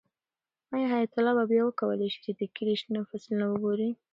آیا حیات الله به بیا وکولی شي چې د کلي شنه فصلونه وګوري؟